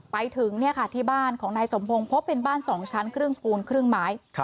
ไปถึงที่บ้านของนายสมพงศ์พบเป็นบ้าน๒ชั้นครึ่งปูนครึ่งไม้